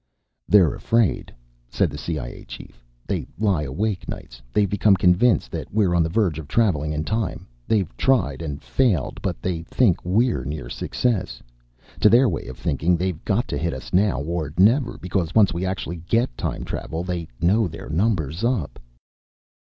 "They're afraid," said the CIA chief. "They lie awake nights. They've become convinced that we're on the verge of traveling in time. They've tried and failed, but they think we're near success. To their way of thinking, they've got to hit us now or never, because once we actually get time travel, they know their number's up."